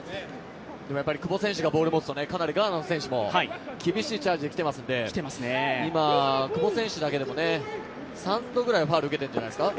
久保選手がボールを持つと、かなりガーナの選手も厳しいチャージに来てますので今、久保選手だけでも３度ぐらいファウルを受けているんじゃないですか？